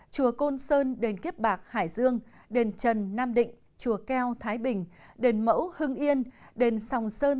chùa côn sơn đền kiếp bạc hải dương đền trần nam định chùa keo thái bình đền mẫu hưng yên đền sòng sơn